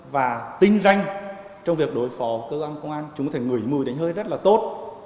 và tinh danh trong việc đối phó công an chúng có thể ngửi mùi đánh hơi rất là tốt